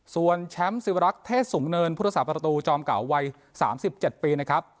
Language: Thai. ส่วนแชมป์ศิวรักษ์เทศสูงเนินพุทธศาสตประตูจอมเก่าวัย๓๗ปีนะครับ